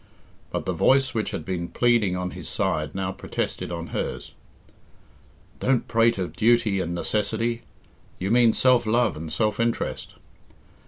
But the voice which had been pleading on his side now protested on hers. "Don't prate of duty and necessity. You mean self love and self interest.